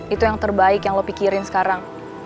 itu yang terbaik yang lo pikirin sekarang